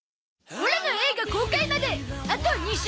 オラの映画公開まであと２週！